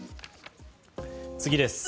次です。